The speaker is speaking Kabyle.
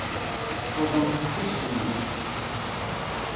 Tuḍen teqcict-nni.